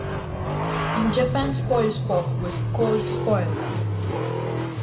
In Japan Spoilsport was called Spoil.